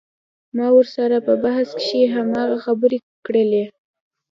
ما ورسره په بحث کښې هماغه خبرې کړلې.